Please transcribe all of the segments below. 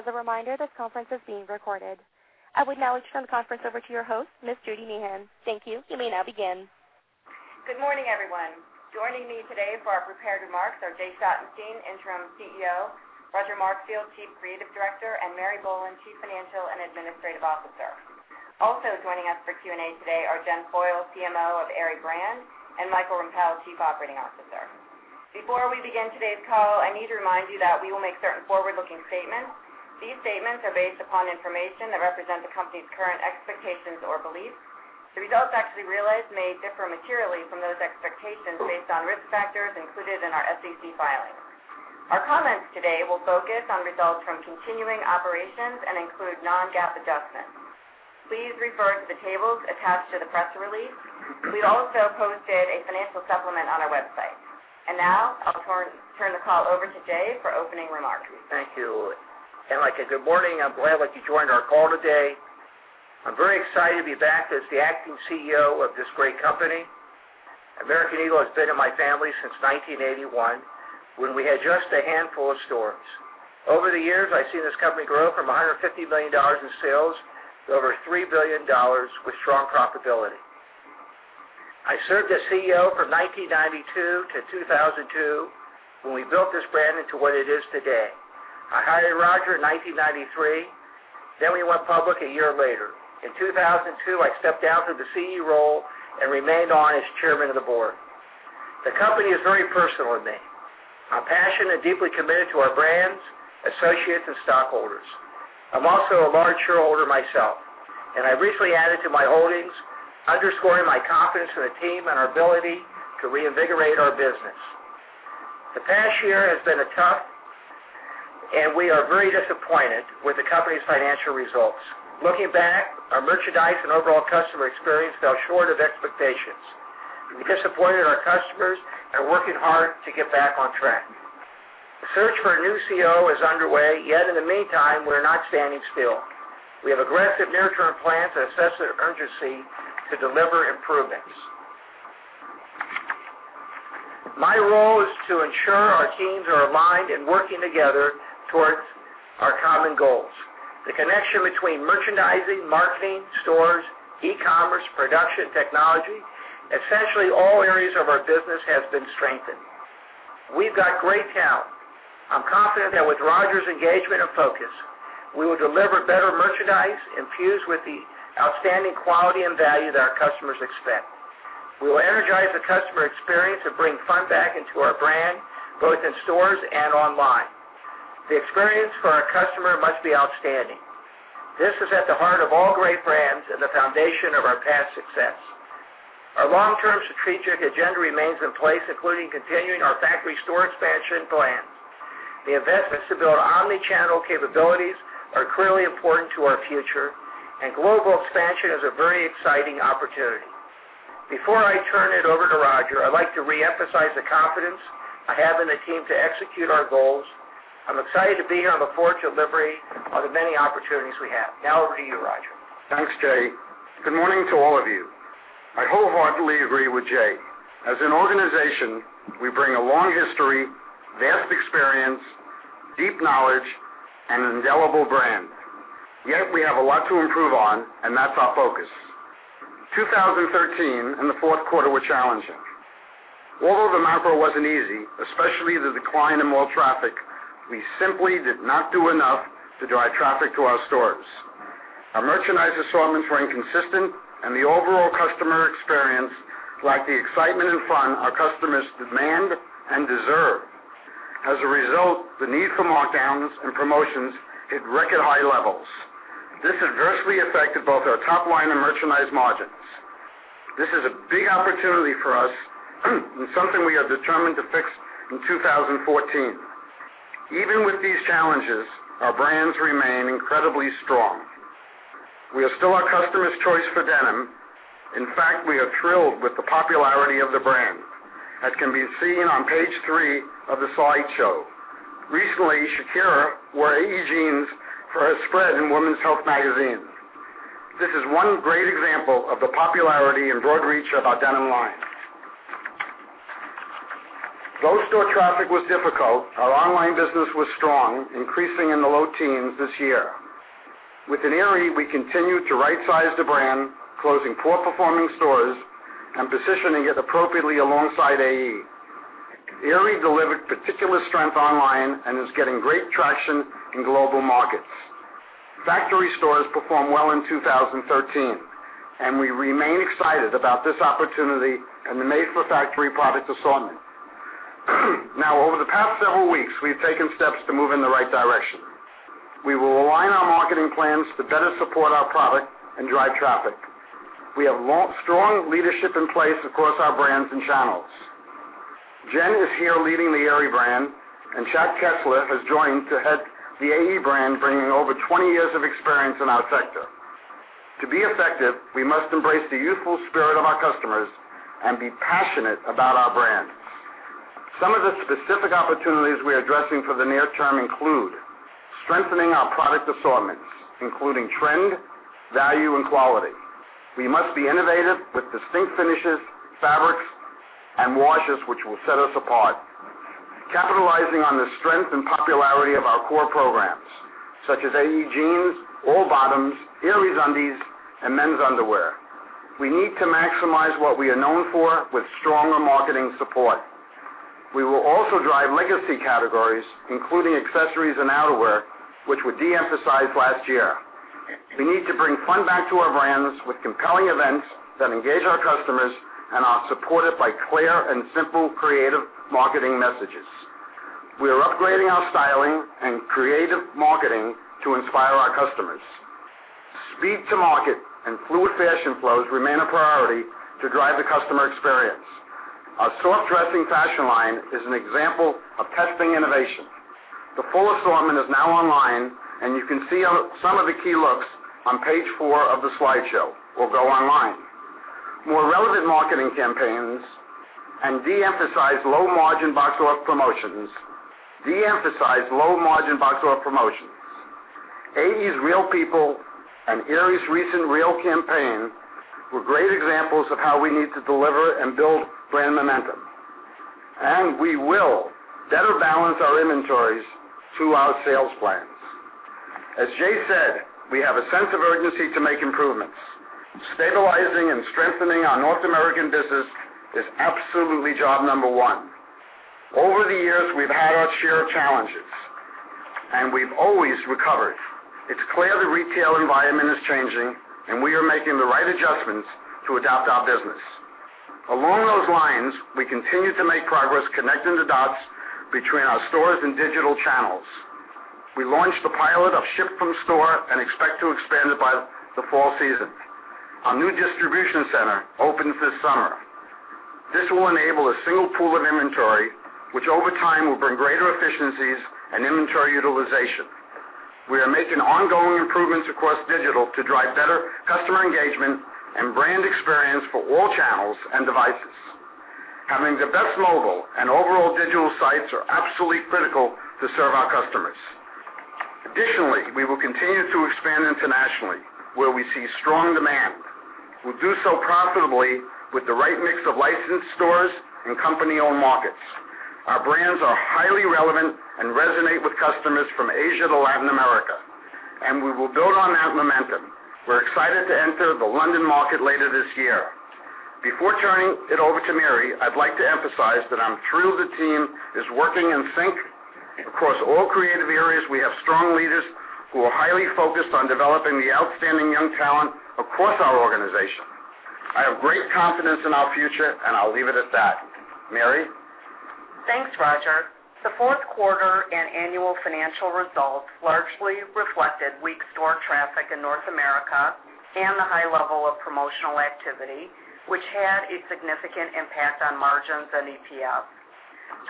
As a reminder, this conference is being recorded. I would now turn the conference over to your host, Ms. Judy Meehan. Thank you. You may now begin. Good morning, everyone. Joining me today for our prepared remarks are Jay Schottenstein, Interim CEO, Roger Markfield, Chief Creative Director, and Mary Boland, Chief Financial and Administrative Officer. Also joining us for Q&A today are Jennifer Foyle, CMO of Aerie Brand, and Michael Rempell, Chief Operating Officer. Before we begin today's call, I need to remind you that we will make certain forward-looking statements. These statements are based upon information that represents the company's current expectations or beliefs. The results actually realized may differ materially from those expectations based on risk factors included in our SEC filings. Our comments today will focus on results from continuing operations and include non-GAAP adjustments. Please refer to the tables attached to the press release. We also posted a financial supplement on our website. Now I'll turn the call over to Jay for opening remarks. Thank you. Good morning. I'm glad that you joined our call today. I'm very excited to be back as the Acting CEO of this great company. American Eagle has been in my family since 1981, when we had just a handful of stores. Over the years, I've seen this company grow from $150 million in sales to over $3 billion with strong profitability. I served as CEO from 1992 to 2002, when we built this brand into what it is today. I hired Roger in 1993, then we went public a year later. In 2002, I stepped down from the CEO role and remained on as Chairman of the Board. The company is very personal to me. I'm passionate and deeply committed to our brands, associates, and stockholders. I'm also a large shareholder myself. I recently added to my holdings, underscoring my confidence in the team and our ability to reinvigorate our business. The past year has been tough, and we are very disappointed with the company's financial results. Looking back, our merchandise and overall customer experience fell short of expectations. We disappointed our customers and are working hard to get back on track. The search for a new CEO is underway, yet in the meantime, we're not standing still. We have aggressive near-term plans and a sense of urgency to deliver improvements. My role is to ensure our teams are aligned and working together towards our common goals. The connection between merchandising, marketing, stores, e-commerce, production, technology, essentially all areas of our business has been strengthened. We've got great talent. I'm confident that with Roger's engagement and focus, we will deliver better merchandise infused with the outstanding quality and value that our customers expect. We will energize the customer experience and bring fun back into our brand, both in stores and online. The experience for our customer must be outstanding. This is at the heart of all great brands and the foundation of our past success. Our long-term strategic agenda remains in place, including continuing our factory store expansion plans. The investments to build our omnichannel capabilities are clearly important to our future, and global expansion is a very exciting opportunity. Before I turn it over to Roger, I'd like to reemphasize the confidence I have in the team to execute our goals. I'm excited to be here on the board to deliver on the many opportunities we have. Now to you, Roger. Thanks, Jay. Good morning to all of you. I wholeheartedly agree with Jay. As an organization, we bring a long history, vast experience, deep knowledge, and an indelible brand. Yet we have a lot to improve on, and that's our focus. 2013 and the fourth quarter were challenging. Although the macro wasn't easy, especially the decline in mall traffic, we simply did not do enough to drive traffic to our stores. Our merchandise assortments were inconsistent, and the overall customer experience lacked the excitement and fun our customers demand and deserve. As a result, the need for markdowns and promotions hit record high levels. This adversely affected both our top line and merchandise margins. This is a big opportunity for us and something we are determined to fix in 2014. Even with these challenges, our brands remain incredibly strong. We are still our customers' choice for denim. In fact, we are thrilled with the popularity of the brand, as can be seen on page three of the slideshow. Recently, Shakira wore AE jeans for a spread in Women's Health magazine. This is one great example of the popularity and broad reach of our denim line. Though store traffic was difficult, our online business was strong, increasing in the low teens this year. Within Aerie, we continued to right size the brand, closing poor performing stores and positioning it appropriately alongside AE. Aerie delivered particular strength online and is getting great traction in global markets. Factory stores performed well in 2013, and we remain excited about this opportunity and the made-for-factory product assortment. Over the past several weeks, we've taken steps to move in the right direction. We will align our marketing plans to better support our product and drive traffic. We have strong leadership in place across our brands and channels. Jen is here leading the Aerie brand, and Chad Kessler has joined to head the AE brand, bringing over 20 years of experience in our sector. To be effective, we must embrace the youthful spirit of our customers and be passionate about our brand. Some of the specific opportunities we are addressing for the near term include strengthening our product assortments, including trend, value, and quality. We must be innovative with distinct finishes, fabrics and washes which will set us apart. Capitalizing on the strength and popularity of our core programs, such as AE jeans, all bottoms, Aerie undies, and men's underwear. We need to maximize what we are known for with stronger marketing support. We will also drive legacy categories, including accessories and outerwear, which were de-emphasized last year. We need to bring fun back to our brands with compelling events that engage our customers and are supported by clear and simple creative marketing messages. We are upgrading our styling and creative marketing to inspire our customers. Speed to market and fluid fashion flows remain a priority to drive the customer experience. Our soft dressing fashion line is an example of testing innovation. The full assortment is now online, and you can see some of the key looks on page four of the slideshow, or go online. More relevant marketing campaigns and de-emphasize low margin box store promotions. AE's real people and Aerie's recent REAL campaign were great examples of how we need to deliver and build brand momentum. We will better balance our inventories to our sales plans. As Jay said, we have a sense of urgency to make improvements. Stabilizing and strengthening our North American business is absolutely job number one. Over the years, we've had our share of challenges, and we've always recovered. It's clear the retail environment is changing, and we are making the right adjustments to adapt our business. Along those lines, we continue to make progress connecting the dots between our stores and digital channels. We launched the pilot of Ship from Store and expect to expand it by the fall season. Our new distribution center opens this summer. This will enable a single pool of inventory, which over time will bring greater efficiencies and inventory utilization. We are making ongoing improvements across digital to drive better customer engagement and brand experience for all channels and devices. Having the best mobile and overall digital sites are absolutely critical to serve our customers. Additionally, we will continue to expand internationally where we see strong demand. We'll do so profitably with the right mix of licensed stores and company-owned markets. Our brands are highly relevant and resonate with customers from Asia to Latin America, and we will build on that momentum. We're excited to enter the London market later this year. Before turning it over to Mary, I'd like to emphasize that I'm thrilled the team is working in sync. Across all creative areas, we have strong leaders who are highly focused on developing the outstanding young talent across our organization. I have great confidence in our future, and I'll leave it at that. Mary? Thanks, Roger. The fourth quarter and annual financial results largely reflected weak store traffic in North America and the high level of promotional activity, which had a significant impact on margins and EPS.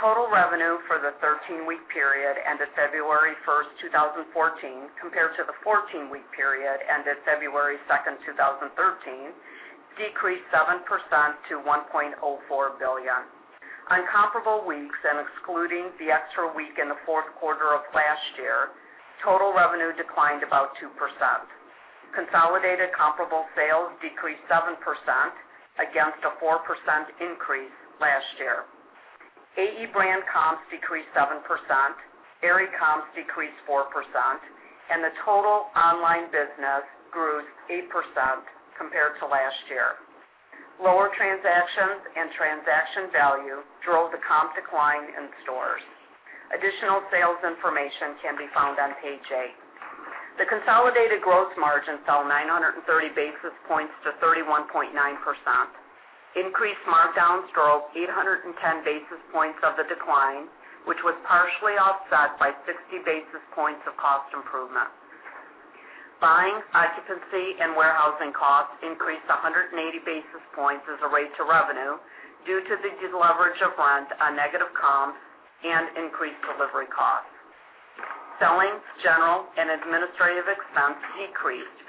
Total revenue for the 13-week period ended February 1st, 2014, compared to the 14-week period ended February 2nd, 2013, decreased 7% to $1.04 billion. On comparable weeks and excluding the extra week in the fourth quarter of last year, total revenue declined about 2%. Consolidated comparable sales decreased 7% against a 4% increase last year. AE brand comps decreased 7%, Aerie comps decreased 4%, and the total online business grew 8% compared to last year. Lower transactions and transaction value drove the comp decline in stores. Additional sales information can be found on page eight. The consolidated gross margin fell 930 basis points to 31.9%. Increased markdowns drove 810 basis points of the decline, which was partially offset by 60 basis points of cost improvement. Buying, occupancy, and warehousing costs increased 180 basis points as a rate to revenue due to the deleverage of rent on negative comps and increased delivery costs. Selling, general, and administrative expense decreased 15%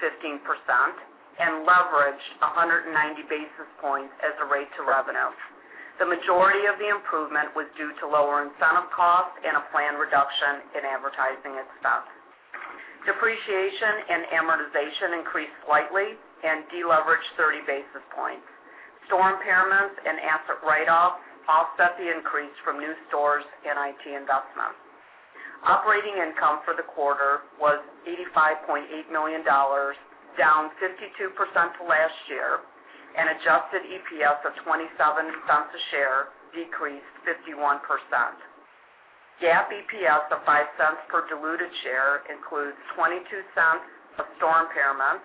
and leveraged 190 basis points as a rate to revenues. The majority of the improvement was due to lower incentive costs and a planned reduction in advertising expense. Depreciation and amortization increased slightly and deleveraged 30 basis points. Store impairments and asset write-offs offset the increase from new stores and IT investments. Operating income for the quarter was $85.8 million, down 52% to last year, and adjusted EPS of $0.27 a share decreased 51%. GAAP EPS of $0.05 per diluted share includes $0.22 of store impairments,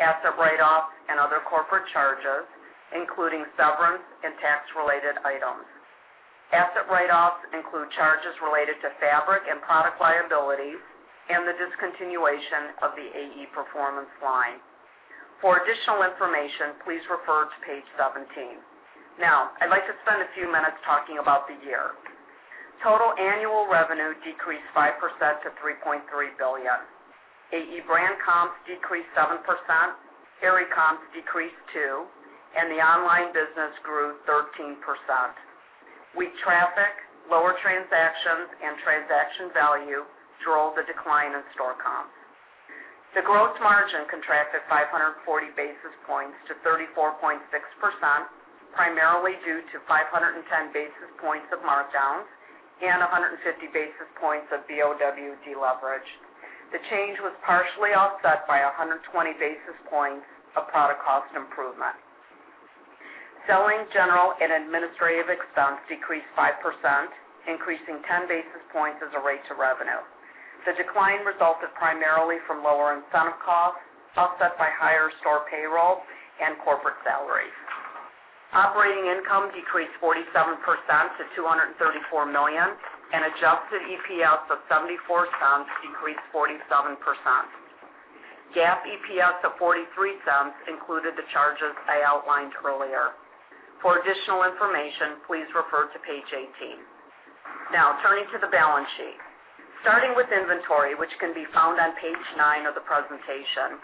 asset write-offs, and other corporate charges, including severance and tax-related items. Asset write-offs include charges related to fabric and product liabilities and the discontinuation of the AE Performance line. For additional information, please refer to page 17. I'd like to spend a few minutes talking about the year. Total annual revenue decreased 5% to $3.3 billion. AE brand comps decreased 7%, Aerie comps decreased two, and the online business grew 13%. Weak traffic, lower transactions, and transaction value drove the decline in store comps. The gross margin contracted 540 basis points to 34.6%, primarily due to 510 basis points of markdowns and 150 basis points of BOW deleverage. The change was partially offset by 120 basis points of product cost improvement. Selling, general, and administrative expense decreased 5%, increasing 10 basis points as a rate to revenue. The decline resulted primarily from lower incentive costs, offset by higher store payroll and corporate salaries. Operating income decreased 47% to $234 million, and adjusted EPS of $0.74 decreased 47%. GAAP EPS of $0.43 included the charges I outlined earlier. For additional information, please refer to page 18. Turning to the balance sheet. Starting with inventory, which can be found on page nine of the presentation.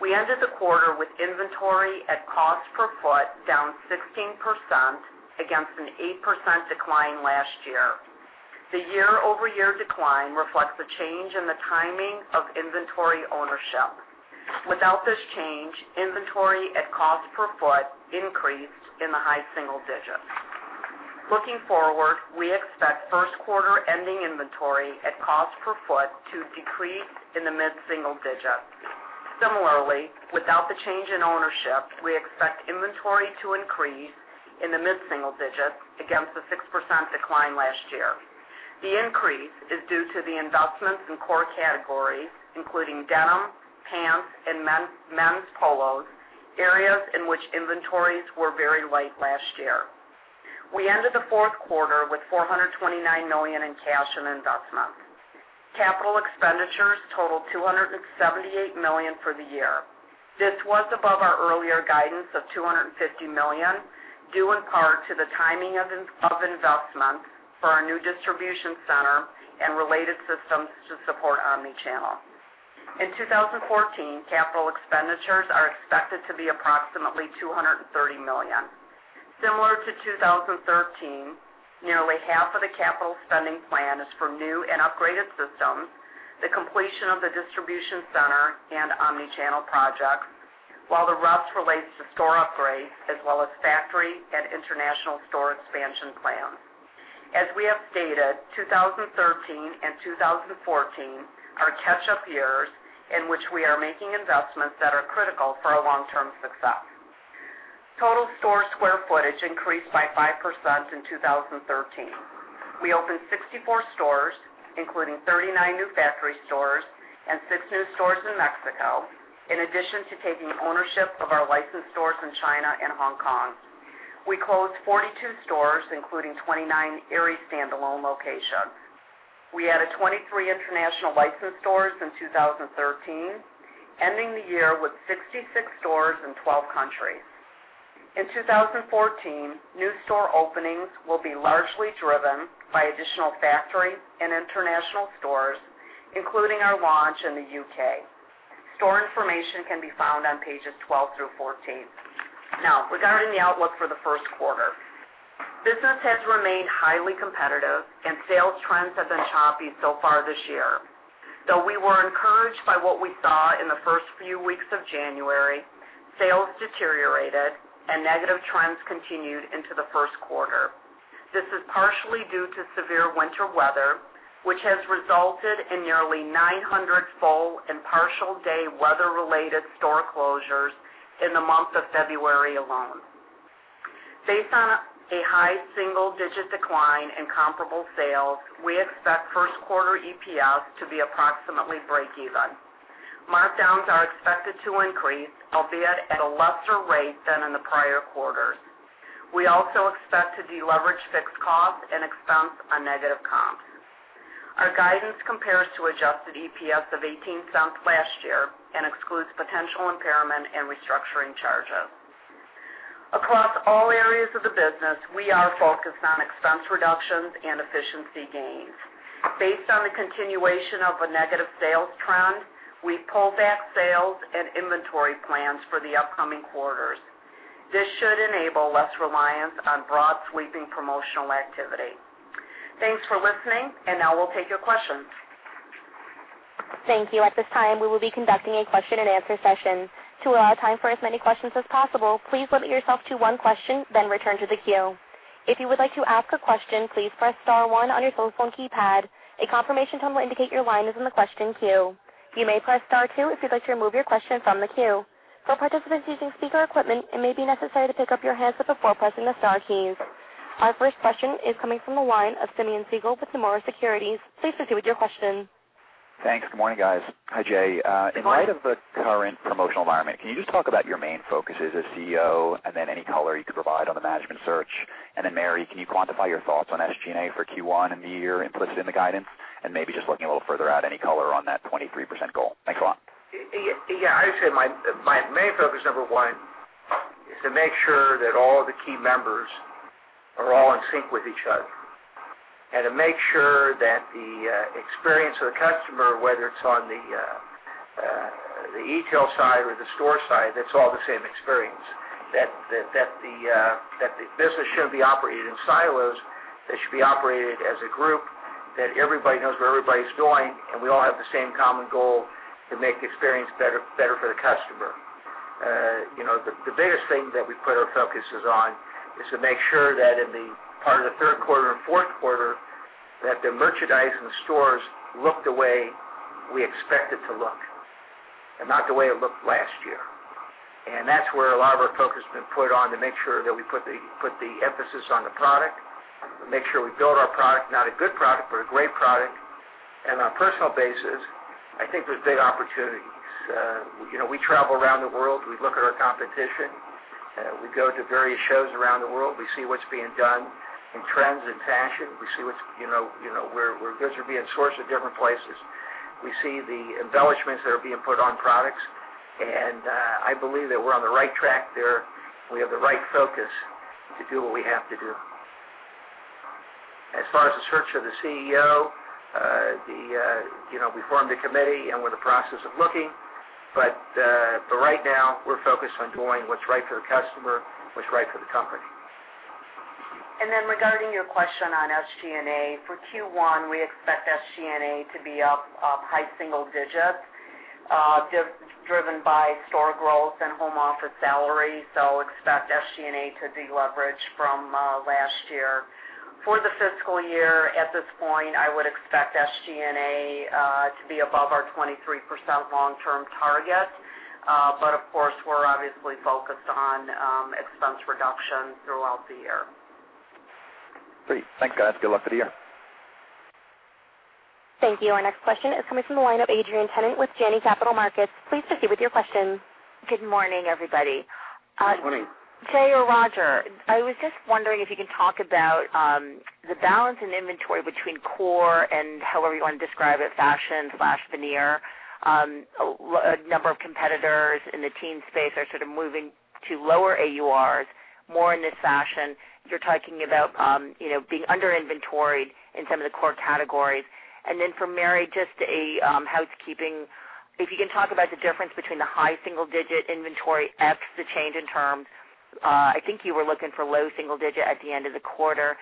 We ended the quarter with inventory at cost per foot down 16%, against an 8% decline last year. The year-over-year decline reflects a change in the timing of inventory ownership. Without this change, inventory at cost per foot increased in the high single digits. Looking forward, we expect first quarter ending inventory at cost per foot to decrease in the mid single digits. Similarly, without the change in ownership, we expect inventory to increase in the mid single digits against a 6% decline last year. The increase is due to the investments in core categories, including denim, pants, and men's polos, areas in which inventories were very light last year. We ended the fourth quarter with $429 million in cash and investments. Capital expenditures totaled $278 million for the year. This was above our earlier guidance of $250 million, due in part to the timing of investments for our new distribution center and related systems to support omnichannel. In 2014, capital expenditures are expected to be approximately $230 million. Similar to 2013, nearly half of the capital spending plan is for new and upgraded systems, the completion of the distribution center, and omnichannel projects, while the rest relates to store upgrades as well as factory and international store expansion plans. As we have stated, 2013 and 2014 are catch-up years in which we are making investments that are critical for our long-term success. Total store square footage increased by 5% in 2013. We opened 64 stores, including 39 new factory stores and six new stores in Mexico, in addition to taking ownership of our licensed stores in China and Hong Kong. We closed 42 stores, including 29 Aerie standalone locations. We added 23 international licensed stores in 2013, ending the year with 66 stores in 12 countries. In 2014, new store openings will be largely driven by additional factory and international stores, including our launch in the U.K. Store information can be found on pages 12 through 14. Now, regarding the outlook for the first quarter. Business has remained highly competitive, and sales trends have been choppy so far this year. We were encouraged by what we saw in the first few weeks of January, sales deteriorated, and negative trends continued into the first quarter. This is partially due to severe winter weather, which has resulted in nearly 900 full and partial day weather-related store closures in the month of February alone. Based on a high single-digit decline in comparable sales, we expect first quarter EPS to be approximately break even. Markdowns are expected to increase, albeit at a lesser rate than in the prior quarters. We also expect to deleverage fixed costs and expense on negative comps. Our guidance compares to adjusted EPS of $0.18 last year and excludes potential impairment and restructuring charges. Across all areas of the business, we are focused on expense reductions and efficiency gains. Based on the continuation of a negative sales trend, we pulled back sales and inventory plans for the upcoming quarters. This should enable less reliance on broad sweeping promotional activity. Thanks for listening. Now we'll take your questions. Thank you. At this time, we will be conducting a question and answer session. To allow time for as many questions as possible, please limit yourself to one question, then return to the queue. If you would like to ask a question, please press *1 on your telephone keypad. A confirmation tone will indicate your line is in the question queue. You may press *2 if you'd like to remove your question from the queue. For participants using speaker equipment, it may be necessary to pick up your handset before pressing the star keys. Our first question is coming from the line of Simeon Siegel with Nomura Securities. Please proceed with your question. Thanks. Good morning, guys. Hi, Jay. Good morning. In light of the current promotional environment, can you just talk about your main focus as a CEO, and then any color you could provide on the management search? Then Mary, can you quantify your thoughts on SG&A for Q1 and the year implicit in the guidance, and maybe just looking a little further out, any color on that 23% goal? Thanks a lot. Yeah. I would say my main focus, number one, is to make sure that all the key members are all in sync with each other. To make sure that the experience of the customer, whether it's on the e-tail side or the store side, that's all the same experience. The business shouldn't be operated in silos. They should be operated as a group, that everybody knows where everybody's going, and we all have the same common goal to make the experience better for the customer. The biggest thing that we put our focuses on is to make sure that in the part of the third quarter and fourth quarter, that the merchandise in the stores look the way we expect it to look and not the way it looked last year. That's where a lot of our focus has been put on to make sure that we put the emphasis on the product, to make sure we build our product, not a good product, but a great product. On a personal basis, I think there's big opportunities. We travel around the world. We look at our competition. We go to various shows around the world. We see what's being done in trends, in fashion. We're being sourced at different places. We see the embellishments that are being put on products, and I believe that we're on the right track there, and we have the right focus to do what we have to do. As far as the search for the CEO, we formed a committee, and we're in the process of looking. For right now, we're focused on doing what's right for the customer, what's right for the company. Regarding your question on SG&A, for Q1, we expect SG&A to be up high single digits, driven by store growth and home office salary. Expect SG&A to deleverage from last year. For the fiscal year, at this point, I would expect SG&A to be above our 23% long-term target. Of course, we're obviously focused on expense reduction throughout the year. Great. Thanks, guys. Good luck for the year. Thank you. Our next question is coming from the line of Adrienne Tennant with Janney Capital Markets. Please proceed with your question. Good morning, everybody. Good morning. Jay or Roger, I was just wondering if you can talk about the balance in inventory between core and however you want to describe it, fashion/veneer. A number of competitors in the teen space are sort of moving to lower AURs, more into fashion. You're talking about being under inventoried in some of the core categories. Then for Mary, just a housekeeping. If you can talk about the difference between the high single-digit inventory, ex the change in terms. I think you were looking for low single digit at the end of the quarter.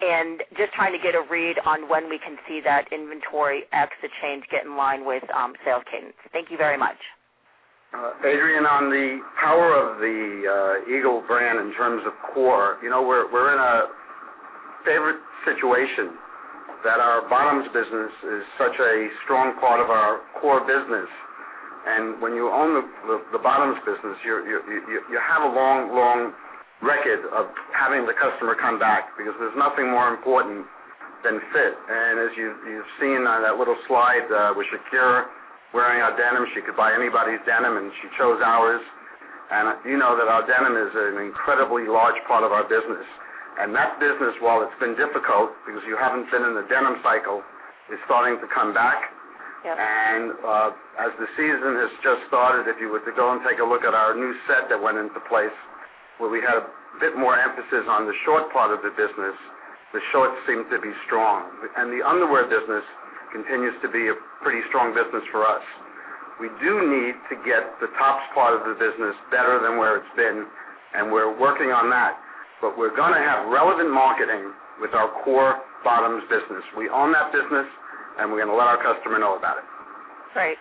Just trying to get a read on when we can see that inventory, ex the change, get in line with sales cadence. Thank you very much. Adrienne, on the power of the Eagle brand in terms of core, we're in a favorite situation that our bottoms business is such a strong part of our core business. When you own the bottoms business, you have a long, long record of having the customer come back because there's nothing more important than fit. As you've seen on that little slide with Shakira wearing our denim, she could buy anybody's denim, and she chose ours. You know that our denim is an incredibly large part of our business. That business, while it's been difficult because you haven't been in the denim cycle, is starting to come back. Yep. As the season has just started, if you were to go and take a look at our new set that went into place where we have a bit more emphasis on the shorts part of the business, the shorts seem to be strong. The underwear business continues to be a pretty strong business for us. We do need to get the tops part of the business better than where it's been, and we're working on that. We're going to have relevant marketing with our core bottoms business. We own that business, and we're going to let our customer know about it. Great.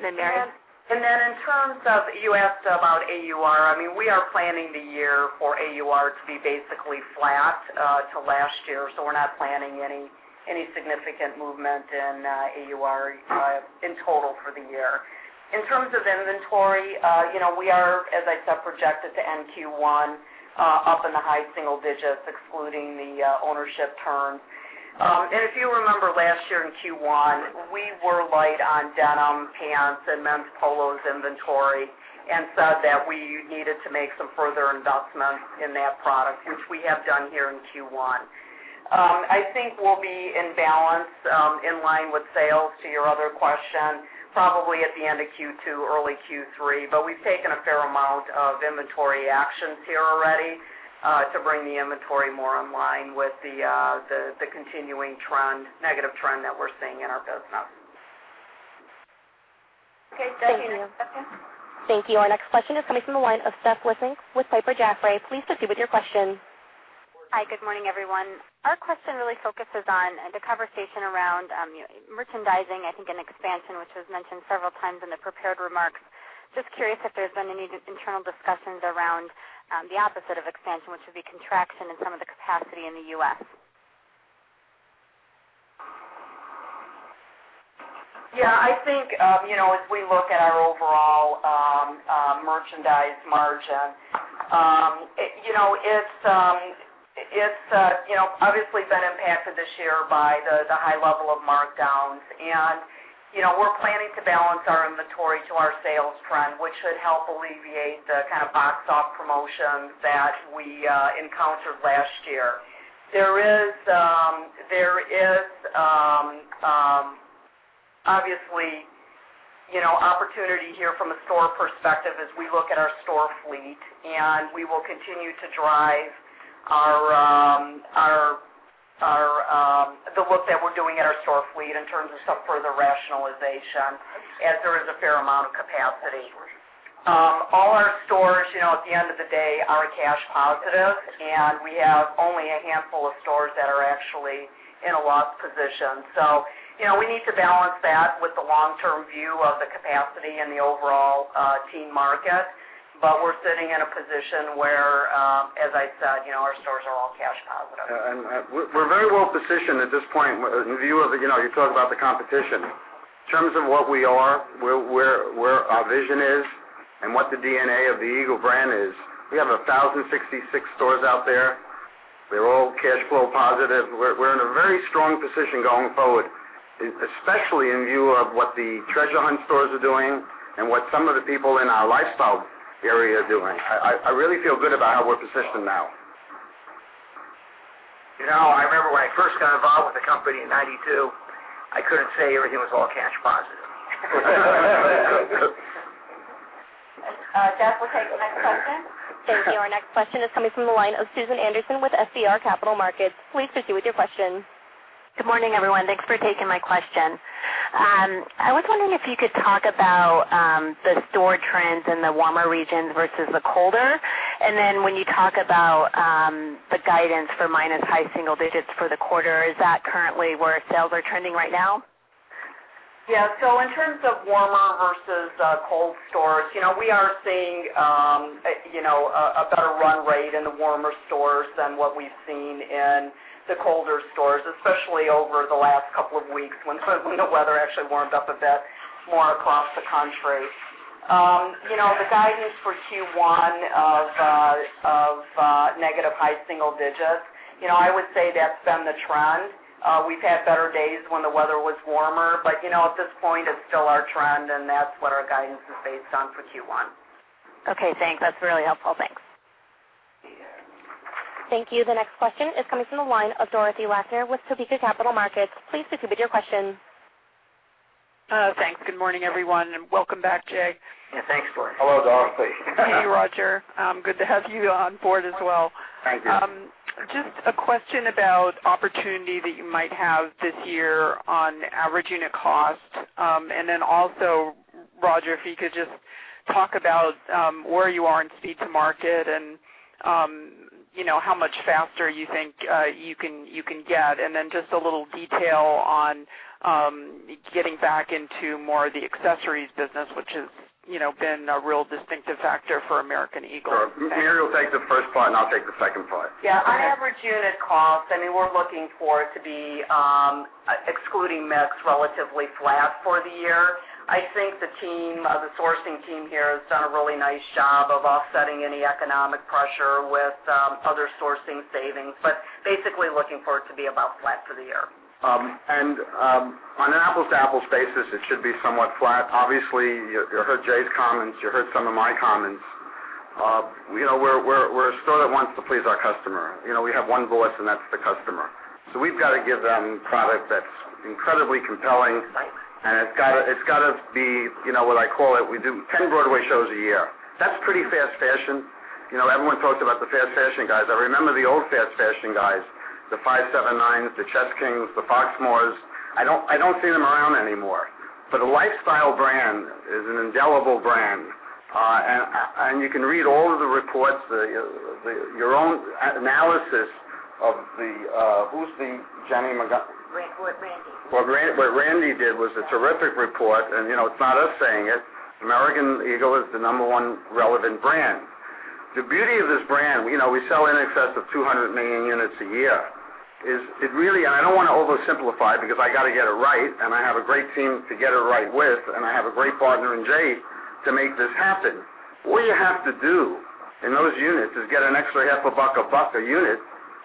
Mary? In terms of, you asked about AUR. We are planning the year for AUR to be basically flat to last year. We're not planning any significant movement in AUR in total for the year. In terms of inventory, we are, as I said, projected to end Q1 up in the high single digits, excluding the ownership turn. If you remember last year in Q1, we were light on denim, pants, and men's polos inventory and said that we needed to make some further investments in that product, which we have done here in Q1. I think we'll be in balance in line with sales, to your other question, probably at the end of Q2, early Q3. We've taken a fair amount of inventory actions here already to bring the inventory more in line with the continuing negative trend that we're seeing in our business. Okay. Thank you. Thank you. Our next question is coming from the line of Stephanie Wissink with Piper Jaffray. Please proceed with your question. Hi, good morning, everyone. Our question really focuses on the conversation around merchandising, I think, and expansion, which was mentioned several times in the prepared remarks. Just curious if there's been any internal discussions around the opposite of expansion, which would be contraction in some of the capacity in the U.S. Yeah, I think, as we look at our overall merchandise margin, it's obviously been impacted this year by the high level of markdowns. We're planning to balance our inventory to our sales trend, which should help alleviate the kind of box store promotions that we encountered last year. There is some Obviously, opportunity here from a store perspective as we look at our store fleet, and we will continue to drive the work that we're doing at our store fleet in terms of some further rationalization as there is a fair amount of capacity. All our stores, at the end of the day, are cash positive, and we have only a handful of stores that are actually in a loss position. We need to balance that with the long-term view of the capacity and the overall teen market. We're sitting in a position where, as I said, our stores are all cash positive. We're very well positioned at this point in view of, you talk about the competition, in terms of what we are, where our vision is, and what the DNA of the Eagle brand is. We have 1,066 stores out there. They're all cash flow positive. We're in a very strong position going forward, especially in view of what the Treasure Hunt stores are doing and what some of the people in our lifestyle area are doing. I really feel good about how we're positioned now. I remember when I first got involved with the company in 1992, I couldn't say everything was all cash positive. Jeff, we'll take the next question. Thank you. Our next question is coming from the line of Susan Anderson with FBR Capital Markets. Please proceed with your question. Good morning, everyone. Thanks for taking my question. I was wondering if you could talk about the store trends in the warmer regions versus the colder. Then when you talk about the guidance for minus high single digits for the quarter, is that currently where sales are trending right now? Yeah. In terms of warmer versus cold stores, we are seeing a better run rate in the warmer stores than what we've seen in the colder stores, especially over the last couple of weeks when the weather actually warmed up a bit more across the country. The guidance for Q1 of negative high single digits, I would say that's been the trend. We've had better days when the weather was warmer, at this point, it's still our trend, and that's what our guidance is based on for Q1. Okay, thanks. That's really helpful. Thanks. Thank you. The next question is coming from the line of Dorothy Lakner with Topeka Capital Markets. Please proceed with your question. Thanks. Good morning, everyone, and welcome back, Jay. Yeah, thanks, Dorothy. Hello, Dorothy. Hey, Roger. Good to have you on board as well. Thank you. Just a question about opportunity that you might have this year on average unit cost. Also, Roger, if you could just talk about where you are in speed to market and how much faster you think you can get. Just a little detail on getting back into more of the accessories business, which has been a real distinctive factor for American Eagle. Sure. Mary will take the first part, and I'll take the second part. On average unit cost, we're looking for it to be, excluding mix, relatively flat for the year. I think the sourcing team here has done a really nice job of offsetting any economic pressure with other sourcing savings. Basically looking for it to be about flat for the year. On an apples-to-apples basis, it should be somewhat flat. Obviously, you heard Jay's comments, you heard some of my comments. We're a store that wants to please our customer. We have one voice, and that's the customer. We've got to give them product that's incredibly compelling. Right. It's got to be, what I call it, we do 10 Broadway shows a year. That's pretty fast fashion. Everyone talks about the fast fashion guys. I remember the old fast fashion guys, the 5-7-9s, the Chess Kings, the Foxmoor. I don't see them around anymore. A lifestyle brand is an indelible brand. You can read all of the reports, your own analysis of the Who's the [Jenny McGun-]? Randy. What Randy did was a terrific report, and it's not us saying it. American Eagle is the number one relevant brand. The beauty of this brand, we sell in excess of 200 million units a year, is it really, and I don't want to oversimplify because I got to get it right, and I have a great team to get it right with, and I have a great partner in Jay to make this happen. All you have to do in those units is get an extra half a buck, a buck a unit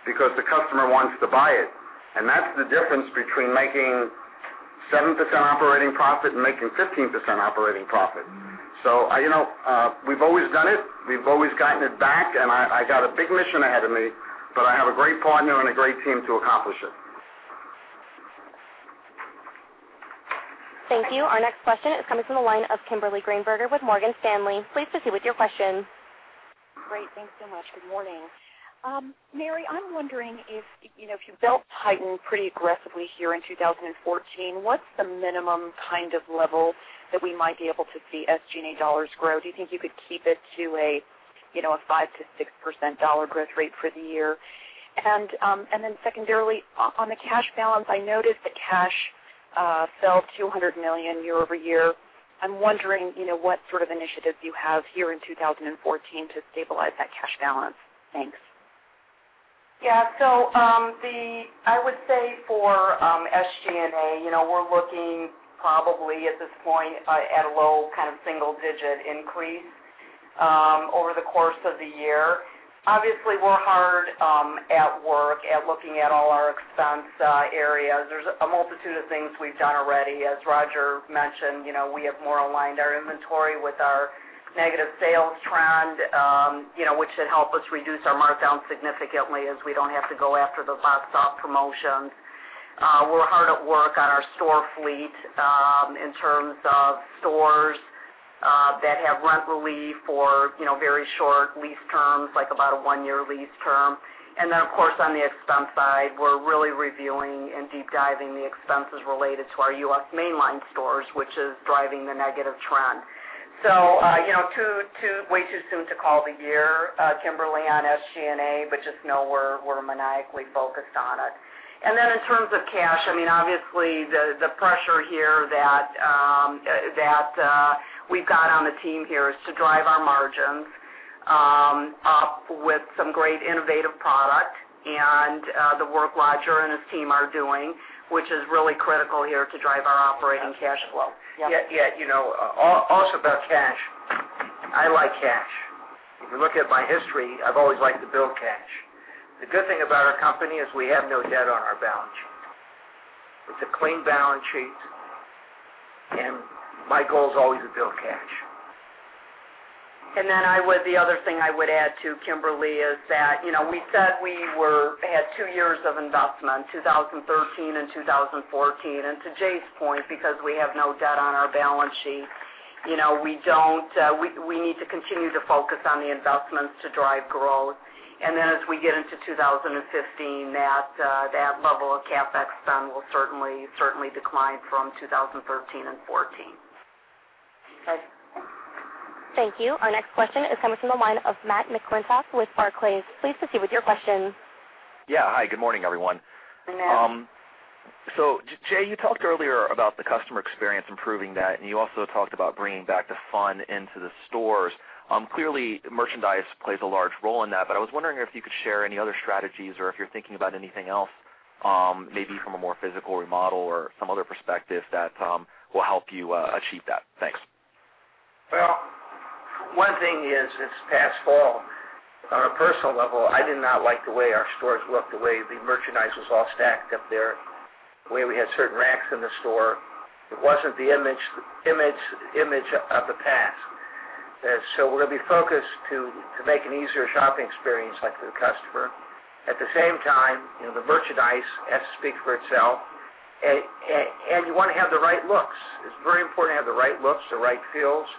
because the customer wants to buy it. That's the difference between making 7% operating profit and making 15% operating profit. We've always done it. We've always gotten it back, and I got a big mission ahead of me, but I have a great partner and a great team to accomplish it. Thank you. Our next question is coming from the line of Kimberly Greenberger with Morgan Stanley. Please proceed with your question. Great. Thanks so much. Good morning. Mary, I'm wondering if you built [Titan] pretty aggressively here in 2014, what's the minimum kind of level that we might be able to see SG&A dollars grow? Do you think you could keep it to a 5%-6% dollar growth rate for the year? Secondarily, on the cash balance, I noticed that cash fell $200 million year-over-year. I'm wondering, what sort of initiatives you have here in 2014 to stabilize that cash balance. Thanks. I would say for SG&A, we're looking probably at this point at a low kind of single-digit increase over the course of the year. Obviously, we're hard at work at looking at all our expense areas. There's a multitude of things we've done already. As Roger mentioned, we have more aligned our inventory with our negative sales trend, which should help us reduce our markdown significantly as we don't have to go after those last stop promotions. We're hard at work on our store fleet in terms of stores that have rent relief or very short lease terms, like about a one-year lease term. Of course, on the expense side, we're really reviewing and deep diving the expenses related to our U.S. mainline stores, which is driving the negative trend. Way too soon to call the year, Kimberly, on SG&A, but just know we're maniacally focused on it. In terms of cash, obviously, the pressure here that we've got on the team here is to drive our margins up with some great innovative product and the work Roger and his team are doing, which is really critical here to drive our operating cash flow. Yeah. Also about cash, I like cash. If you look at my history, I've always liked to build cash. The good thing about our company is we have no debt on our balance sheet. It's a clean balance sheet, and my goal is always to build cash. The other thing I would add, too, Kimberly, is that we said we had 2 years of investment, 2013 and 2014. To Jay's point, because we have no debt on our balance sheet, we need to continue to focus on the investments to drive growth. As we get into 2015, that level of CapEx spend will certainly decline from 2013 and 2014. Okay. Thank you. Our next question is coming from the line of Matthew McClintock with Barclays. Please proceed with your question. Yeah. Hi, good morning, everyone. Good morning, Matt. Jay, you talked earlier about the customer experience, improving that, and you also talked about bringing back the fun into the stores. Clearly, merchandise plays a large role in that, but I was wondering if you could share any other strategies or if you're thinking about anything else, maybe from a more physical remodel or some other perspective that will help you achieve that. Thanks. Well, one thing is this past fall, on a personal level, I did not like the way our stores looked, the way the merchandise was all stacked up there, the way we had certain racks in the store. It wasn't the image of the past. We're going to be focused to make an easier shopping experience for the customer. At the same time, the merchandise has to speak for itself. You want to have the right looks. It's very important to have the right looks, the right feels,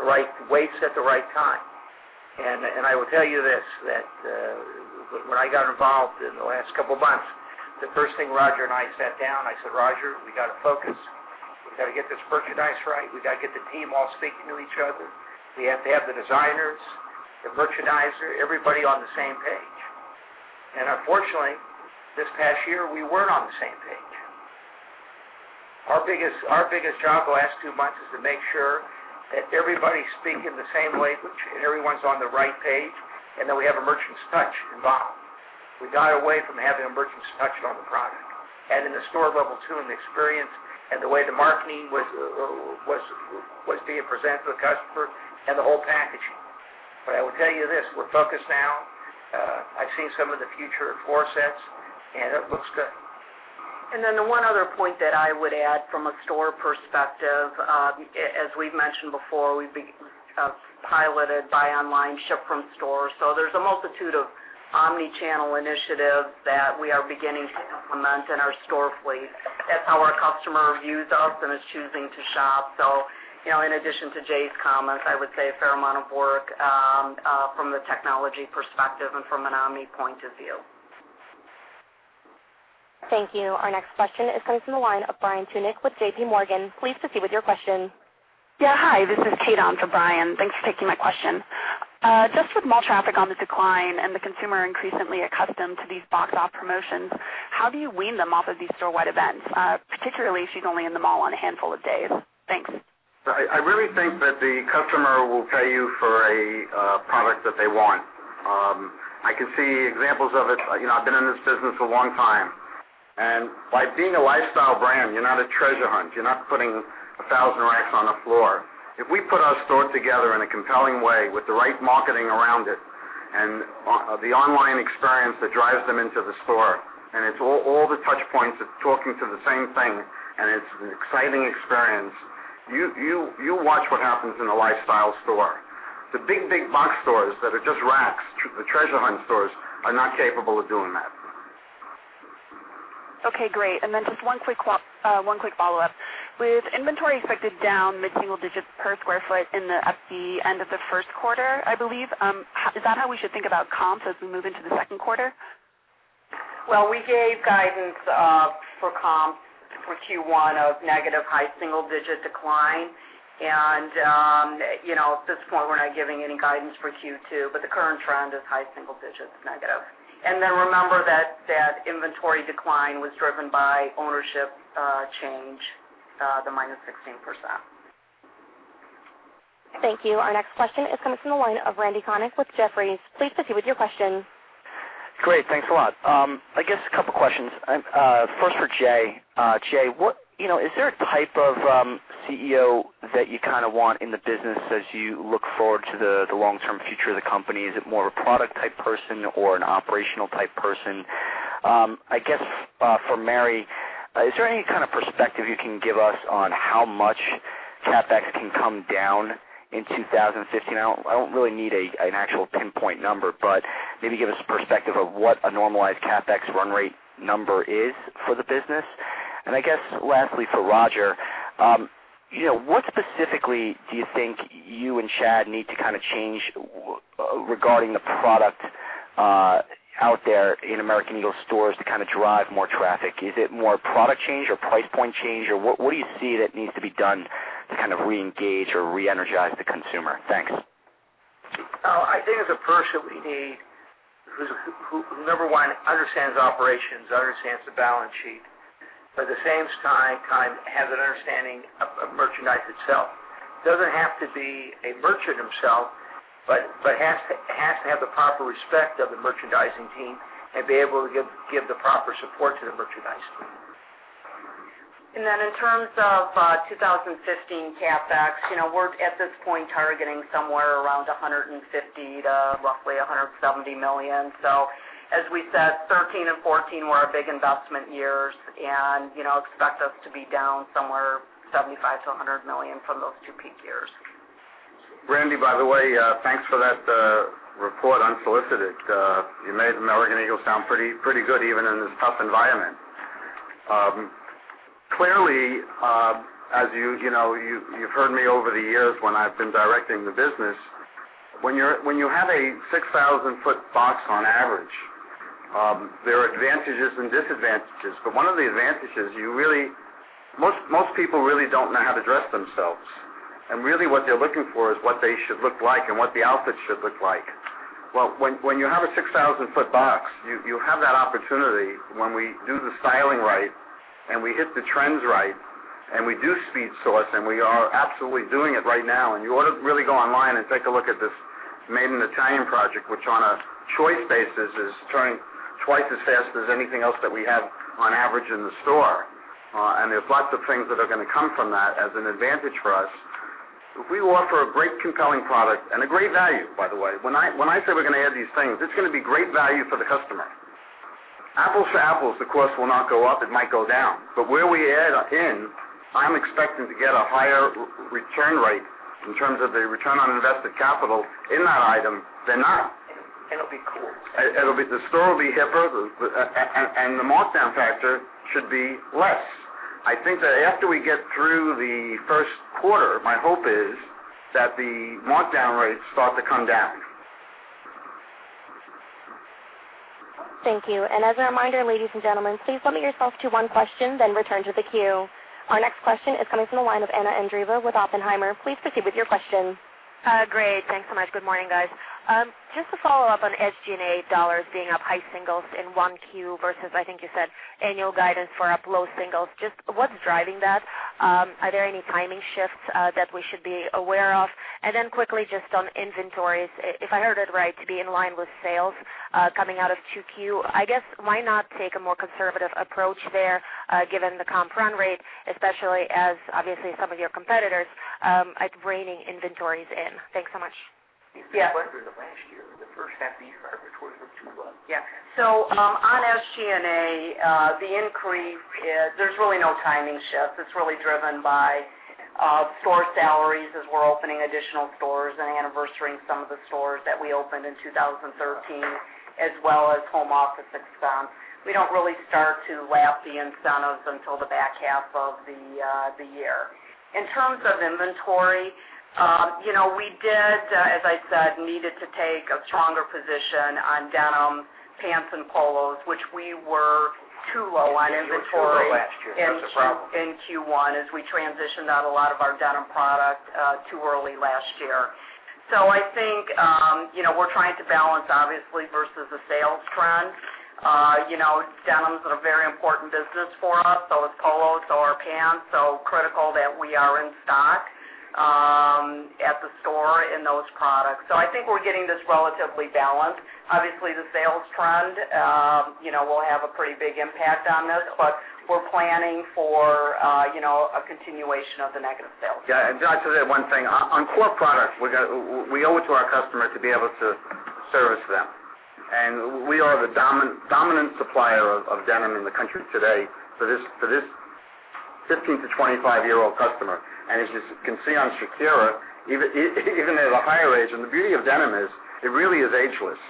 the right weights at the right time. I will tell you this, that when I got involved in the last couple of months, the first thing Roger and I sat down, I said, "Roger, we got to focus. We got to get this merchandise right. We got to get the team all speaking to each other. We have to have the designers, the merchandiser, everybody on the same page." Unfortunately, this past year, we weren't on the same page. Our biggest job the last two months is to make sure that everybody's speaking the same language and everyone's on the right page, and that we have a merchant's touch involved. We got away from having a merchant's touch on the product and in the store level, too, and the experience and the way the marketing was being presented to the customer and the whole packaging. I will tell you this, we're focused now. I've seen some of the future floor sets, and it looks good. The one other point that I would add from a store perspective, as we've mentioned before, we've piloted Buy Online Ship from Store. There's a multitude of omnichannel initiatives that we are beginning to implement in our store fleet. That's how our customer views us and is choosing to shop. In addition to Jay's comments, I would say a fair amount of work from the technology perspective and from an omni point of view. Thank you. Our next question is coming from the line of Brian Tunick with JPMorgan. Please proceed with your question. Hi, this is Kate on for Brian. Thanks for taking my question. Just with mall traffic on the decline and the consumer increasingly accustomed to these off-price promotions, how do you wean them off of these storewide events, particularly if she's only in the mall on a handful of days? Thanks. I really think that the customer will pay you for a product that they want. I can see examples of it. I've been in this business a long time. By being a lifestyle brand, you're not a Treasure Hunt. You're not putting 1,000 racks on a floor. If we put our store together in a compelling way with the right marketing around it and the online experience that drives them into the store, and it's all the touch points talking to the same thing, and it's an exciting experience, you watch what happens in a lifestyle store. The big box stores that are just racks, the Treasure Hunt stores, are not capable of doing that. Okay, great. Just one quick follow-up. With inventory expected down mid-single digits per square foot at the end of the first quarter, I believe, is that how we should think about comps as we move into the second quarter? Well, we gave guidance for comps for Q1 of negative high single digit decline. At this point, we're not giving any guidance for Q2, the current trend is high single digits negative. Remember that that inventory decline was driven by ownership change, the -16%. Thank you. Our next question is coming from the line of Randal Konik with Jefferies. Please proceed with your question. Great. Thanks a lot. I guess a couple questions. First for Jay. Jay, is there a type of CEO that you want in the business as you look forward to the long-term future of the company? Is it more of a product type person or an operational type person? I guess for Mary, is there any kind of perspective you can give us on how much CapEx can come down in 2015? I don't really need an actual pinpoint number, but maybe give us perspective of what a normalized CapEx run rate number is for the business. I guess lastly, for Roger, what specifically do you think you and Chad need to change regarding the product out there in American Eagle stores to drive more traffic? Is it more product change or price point change, or what do you see that needs to be done to reengage or re-energize the consumer? Thanks. I think as a person, we need who, number 1, understands operations, understands the balance sheet, at the same time, have an understanding of merchandise itself. Doesn't have to be a merchant himself, has to have the proper respect of the merchandising team and be able to give the proper support to the merchandise. In terms of 2015 CapEx, we're at this point targeting somewhere around $150 million-$170 million. As we said, 2013 and 2014 were our big investment years, and expect us to be down somewhere $75 million-$100 million from those two peak years. Randy, by the way, thanks for that report unsolicited. You made American Eagle sound pretty good even in this tough environment. Clearly, as you've heard me over the years when I've been directing the business, when you have a 6,000-foot box on average, there are advantages and disadvantages. One of the advantages, most people really don't know how to dress themselves. Really what they're looking for is what they should look like and what the outfit should look like. Well, when you have a 6,000-foot box, you have that opportunity when we do the styling right and we hit the trends right, and we do speed source, we are absolutely doing it right now. You ought to really go online and take a look at this Made in Italy project, which on a choice basis, is turning twice as fast as anything else that we have on average in the store. There's lots of things that are going to come from that as an advantage for us. We offer a great compelling product and a great value, by the way. When I say we're going to add these things, it's going to be great value for the customer. Apples to apples, the cost will not go up. It might go down. Where we add in, I'm expecting to get a higher return rate in terms of the return on invested capital in that item than not. It'll be cool. The store will be hipper, and the markdown factor should be less. I think that after we get through the first quarter, my hope is that the markdown rates start to come down. Thank you. As a reminder, ladies and gentlemen, please limit yourself to one question, then return to the queue. Our next question is coming from the line of Anna Andreeva with Oppenheimer. Please proceed with your question. Great. Thanks so much. Good morning, guys. To follow up on SG&A dollars being up high singles in 1Q versus, I think you said, annual guidance for up low singles. What's driving that? Are there any timing shifts that we should be aware of? Quickly, just on inventories, if I heard it right, to be in line with sales coming out of 2Q, I guess why not take a more conservative approach there given the comp run rate, especially as obviously some of your competitors are reining inventories in. Thanks so much. Yeah. Over the last year, the first half of the year, our inventories were too low. On SG&A, the increase, there's really no timing shift. It's really driven by store salaries as we're opening additional stores and anniversarying some of the stores that we opened in 2013, as well as home office expense. We don't really start to lap the incentives until the back half of the year. In terms of inventory, we did, as I said, needed to take a stronger position on denim, pants, and polos, which we were too low on inventory. We were too low last year. That's the problem. in Q1 as we transitioned out a lot of our denim product too early last year. I think we're trying to balance obviously versus the sales trend. Denim's a very important business for us. So is polos, so are pants, so critical that we are in stock at the store in those products. I think we're getting this relatively balanced. Obviously, the sales trend will have a pretty big impact on this, but we're planning for a continuation of the negative sales trend. Yeah. I'll just add one thing. On core products, we owe it to our customer to be able to service them. We are the dominant supplier of denim in the country today for this 15- to 25-year-old customer. As you can see on Shakira, even at a higher age. The beauty of denim is it really is ageless.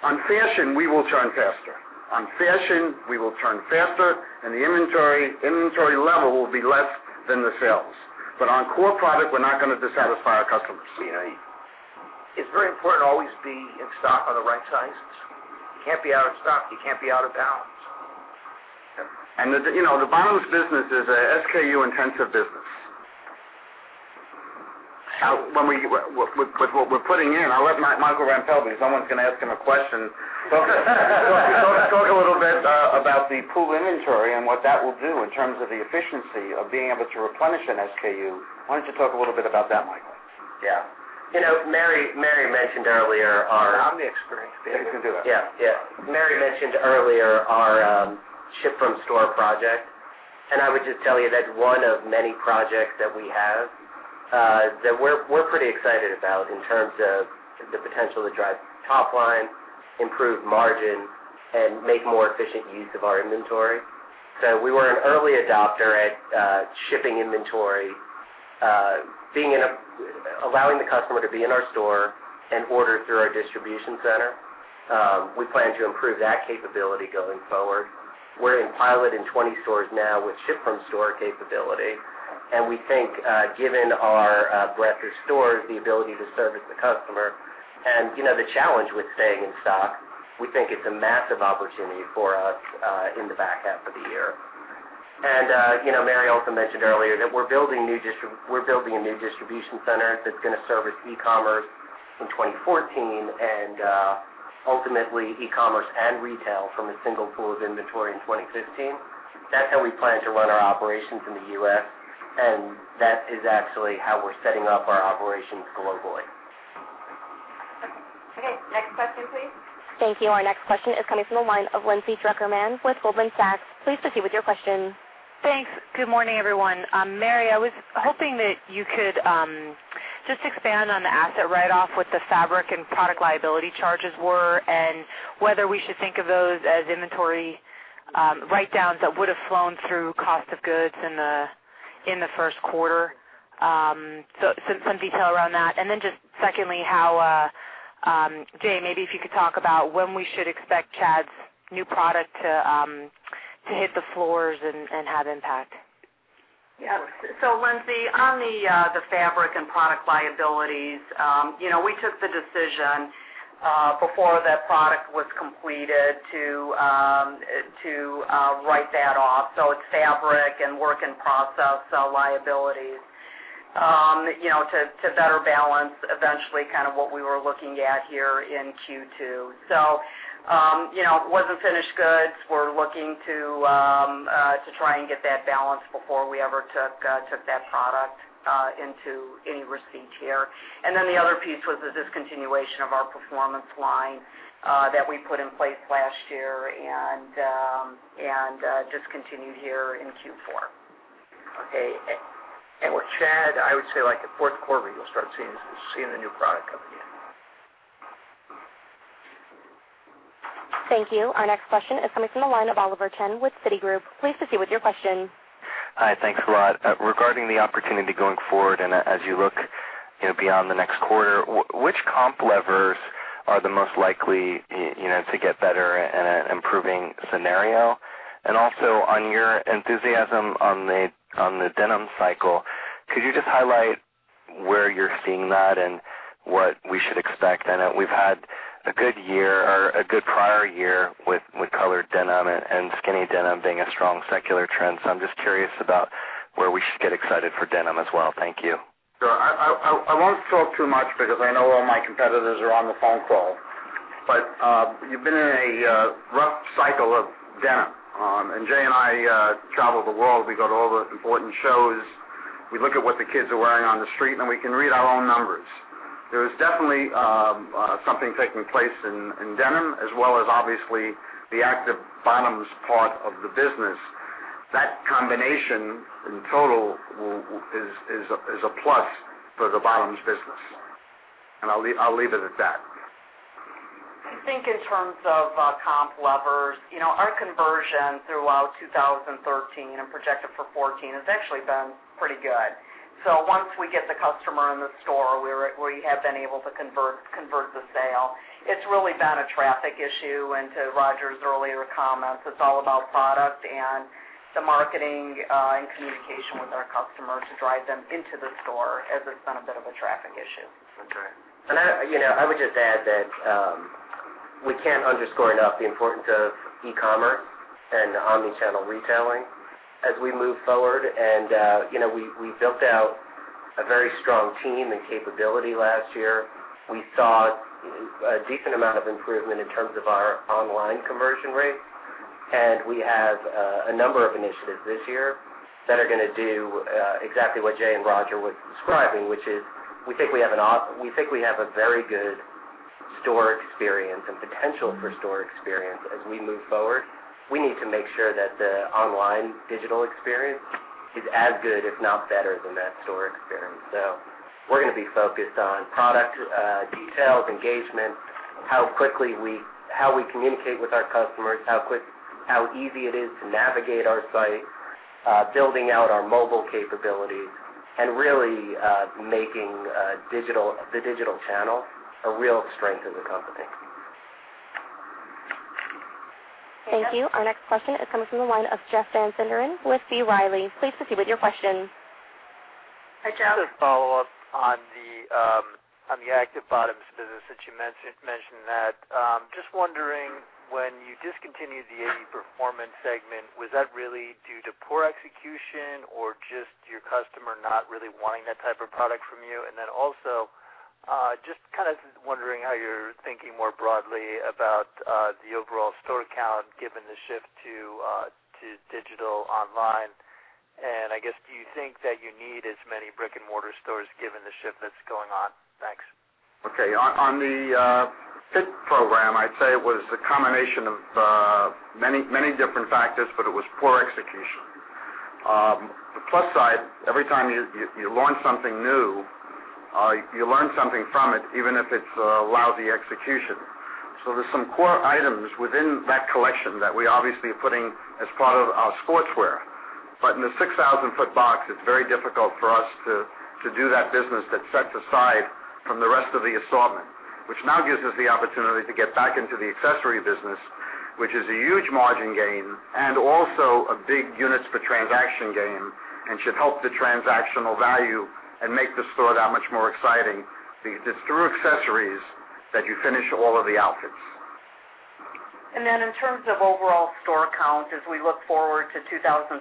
On fashion, we will turn faster, and the inventory level will be less than the sales. On core product, we're not going to dissatisfy our customers. It's very important to always be in stock on the right sizes. You can't be out of stock. You can't be out of balance. The bottoms business is a SKU-intensive business. With what we're putting in, I'll let Michael Rempell because someone's going to ask him a question. Talk a little bit about the pool inventory and what that will do in terms of the efficiency of being able to replenish an SKU. Why don't you talk a little bit about that, Michael? Yeah. Mary mentioned earlier. I'm the expert. You can do it. Yeah. Mary mentioned earlier our Ship from Store project. I would just tell you that's one of many projects that we have that we're pretty excited about in terms of the potential to drive top line, improve margin, and make more efficient use of our inventory. We were an early adopter at shipping inventory, allowing the customer to be in our store and order through our distribution center. We plan to improve that capability going forward. We're in pilot in 20 stores now with Ship from Store capability, and we think, given our breadth of stores, the ability to service the customer and the challenge with staying in stock, we think it's a massive opportunity for us in the back half of the year. Mary also mentioned earlier that we're building a new distribution center that's going to service e-commerce in 2014 and ultimately e-commerce and retail from a single pool of inventory in 2015. That's how we plan to run our operations in the U.S., and that is actually how we're setting up our operations globally. Okay. Next question, please. Thank you. Our next question is coming from the line of Lindsay Drucker Mann with Goldman Sachs. Please proceed with your question. Thanks. Good morning, everyone. Mary, I was hoping that you could just expand on the asset write-off, what the fabric and product liability charges were, and whether we should think of those as inventory write-downs that would have flown through cost of goods in the first quarter. Some detail around that, and then just secondly, how, Jay, maybe if you could talk about when we should expect Chad's new product to hit the floors and have impact. Yes. Lindsay, on the fabric and product liabilities, we took the decision, before that product was completed, to write that off. It's fabric and work in process liabilities. To better balance eventually what we were looking at here in Q2. It wasn't finished goods. We're looking to try and get that balance before we ever took that product into any receipt here. The other piece was the discontinuation of our performance line that we put in place last year and discontinued here in Q4. Okay. With Chad, I would say like the fourth quarter, you'll start seeing the new product coming in. Thank you. Our next question is coming from the line of Oliver Chen with Citigroup. Please proceed with your question. Hi. Thanks a lot. Regarding the opportunity going forward, as you look beyond the next quarter, which comp levers are the most likely to get better in an improving scenario? Also, on your enthusiasm on the denim cycle, could you just highlight where you're seeing that and what we should expect? I know we've had a good year or a good prior year with colored denim and skinny denim being a strong secular trend. I'm just curious about where we should get excited for denim as well. Thank you. Sure. I won't talk too much because I know all my competitors are on the phone call, but you've been in a rough cycle of denim. Jay and I travel the world. We go to all the important shows. We look at what the kids are wearing on the street, and we can read our own numbers. There is definitely something taking place in denim as well as obviously the active bottoms part of the business. That combination, in total, is a plus for the bottoms business. I'll leave it at that. I think in terms of comp levers, our conversion throughout 2013 and projected for 2014 has actually been pretty good. Once we get the customer in the store, we have been able to convert the sale. It's really been a traffic issue. To Roger's earlier comments, it's all about product and the marketing and communication with our customers to drive them into the store, as it's been a bit of a traffic issue. Okay. I would just add that we can't underscore enough the importance of e-commerce and omnichannel retailing as we move forward. We built out a very strong team and capability last year. We saw a decent amount of improvement in terms of our online conversion rate, and we have a number of initiatives this year that are going to do exactly what Jay and Roger were describing, which is, we think we have a very good store experience and potential for store experience as we move forward. We need to make sure that the online digital experience is as good, if not better, than that store experience. We're going to be focused on product details, engagement, how we communicate with our customers, how easy it is to navigate our site, building out our mobile capabilities, and really making the digital channel a real strength of the company. Thank you. Our next question is coming from the line of Jeff Van Sinderen with B. Riley. Please proceed with your question. Hi, Jeff. Just a follow-up on the active bottoms business that you mentioned that. Just wondering, when you discontinued the AE Performance segment, was that really due to poor execution or just your customer not really wanting that type of product from you? Also, just kind of wondering how you're thinking more broadly about the overall store count, given the shift to digital online. I guess, do you think that you need as many brick and mortar stores given the shift that's going on? Thanks. Okay. On the Fit program, I'd say it was a combination of many different factors, but it was poor execution. The plus side, every time you launch something new, you learn something from it, even if it's a lousy execution. There's some core items within that collection that we obviously are putting as part of our sportswear. In the 6,000-foot box, it's very difficult for us to do that business that's set aside from the rest of the assortment. Which now gives us the opportunity to get back into the accessory business, which is a huge margin gain and also a big units per transaction gain, and should help the transactional value and make the store that much more exciting. Because it's through accessories that you finish all of the outfits. In terms of overall store count, as we look forward to 2014,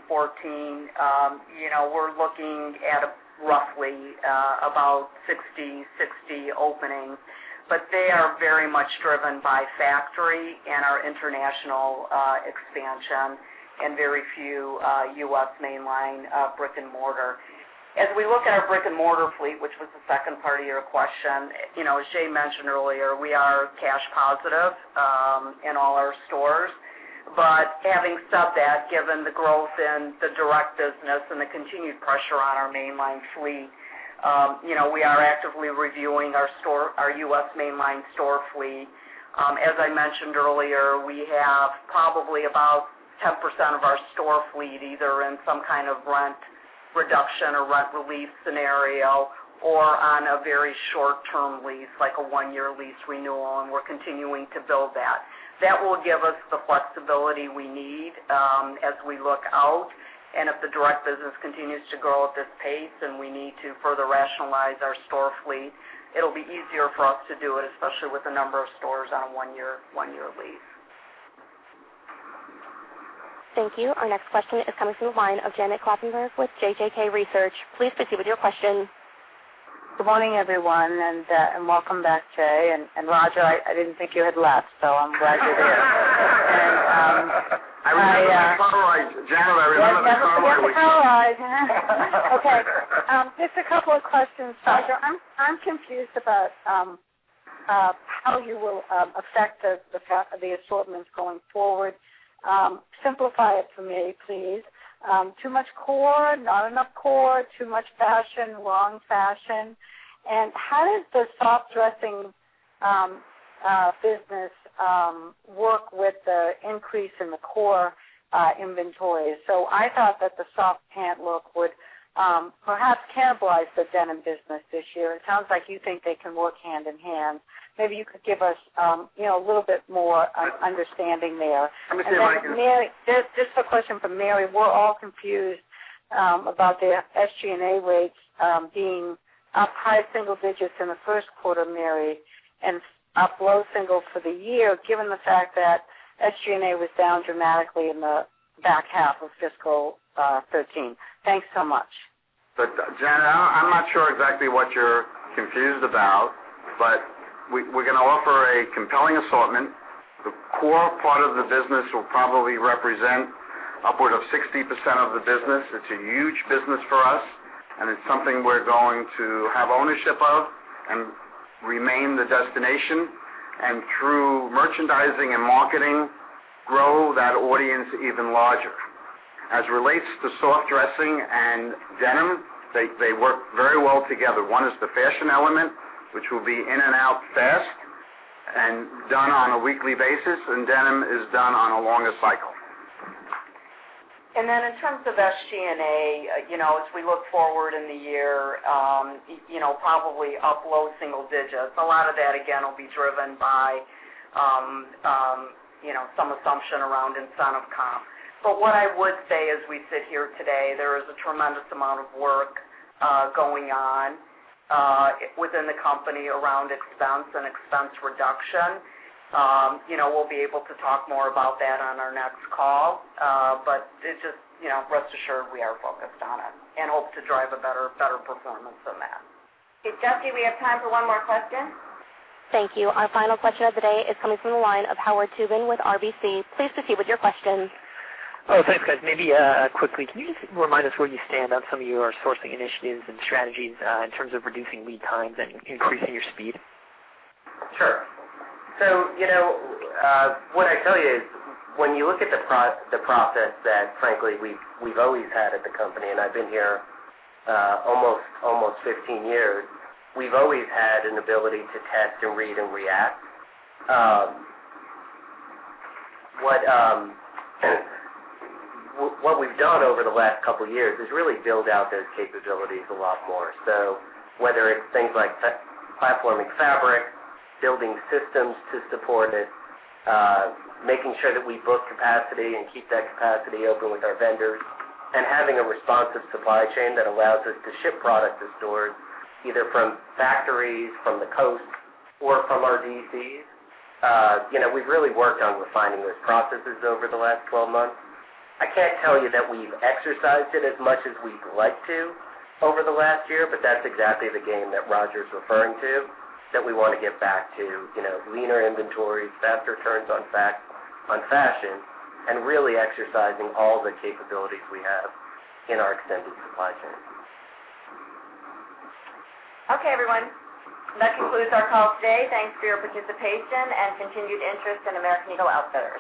we're looking at roughly about 60 openings, they are very much driven by factory and our international expansion and very few U.S. mainline brick and mortar. As we look at our brick and mortar fleet, which was the second part of your question, as Jay mentioned earlier, we are cash positive in all our stores. Having said that, given the growth in the direct business and the continued pressure on our mainline fleet, we are actively reviewing our U.S. mainline store fleet. As I mentioned earlier, we have probably about 10% of our store fleet, either in some kind of rent reduction or rent relief scenario or on a very short-term lease, like a one-year lease renewal, we're continuing to build that. That will give us the flexibility we need as we look out, and if the direct business continues to grow at this pace and we need to further rationalize our store fleet, it'll be easier for us to do it, especially with the number of stores on a one-year lease. Thank you. Our next question is coming from the line of Janet Kloppenburg with JJK Research. Please proceed with your question. Good morning, everyone, and welcome back, Jay. Roger, I didn't think you had left, so I'm glad you're there. I remember the caramelized. Janet, I remember the caramelized. Yes, don't forget the caramelized. Okay. Just a couple of questions. Roger, I'm confused about how you will affect the assortments going forward. Simplify it for me, please. Too much core, not enough core, too much fashion, wrong fashion? How does the soft dressing business work with the increase in the core inventory? I thought that the soft pant look would perhaps cannibalize the denim business this year. It sounds like you think they can work hand in hand. Maybe you could give us a little bit more understanding there. Let me see if I can. Just a question from Mary. We're all confused about the SG&A rates being up high single digits in the first quarter, Mary, and up low single for the year, given the fact that SG&A was down dramatically in the back half of fiscal 2013. Thanks so much. Look, Janet, I'm not sure exactly what you're confused about, but we're going to offer a compelling assortment. The core part of the business will probably represent upward of 60% of the business. It's a huge business for us, and it's something we're going to have ownership of and remain the destination, and through merchandising and marketing, grow that audience even larger. As relates to soft dressing and denim, they work very well together. One is the fashion element, which will be in and out fast and done on a weekly basis, and denim is done on a longer cycle. In terms of SG&A, as we look forward in the year, probably up low single digits. A lot of that, again, will be driven by some assumption around incentive comp. What I would say as we sit here today, there is a tremendous amount of work going on within the company around expense and expense reduction. We'll be able to talk more about that on our next call. Just rest assured we are focused on it and hope to drive a better performance than that. Okay, Jesse, we have time for one more question. Thank you. Our final question of the day is coming from the line of Howard Tubin with RBC. Please proceed with your questions. Thanks, guys. Maybe quickly, can you just remind us where you stand on some of your sourcing initiatives and strategies in terms of reducing lead times and increasing your speed? Sure. What I'd tell you is when you look at the process that frankly, we've always had at the company, and I've been here almost 15 years, we've always had an ability to test and read and react. What we've done over the last couple of years is really build out those capabilities a lot more. Whether it's things like platforming fabric, building systems to support it, making sure that we book capacity and keep that capacity open with our vendors, and having a responsive supply chain that allows us to ship product to stores, either from factories, from the coast, or from our DCs. We've really worked on refining those processes over the last 12 months. I can't tell you that we've exercised it as much as we'd like to over the last year, but that's exactly the game that Roger's referring to, that we want to get back to. Leaner inventories, faster turns on fashion, and really exercising all the capabilities we have in our extended supply chain. Okay, everyone, that concludes our call today. Thanks for your participation and continued interest in American Eagle Outfitters.